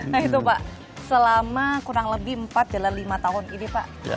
nah itu pak selama kurang lebih empat dalam lima tahun ini pak